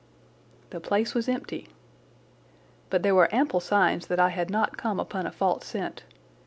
The place was empty. But there were ample signs that I had not come upon a false scent.